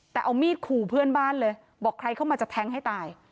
แต่เอามีดขู่เพื่อนบ้านเลยบอกใครเข้ามาจะแทงให้ตาย